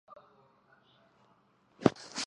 蒋溥为大学士蒋廷锡之子。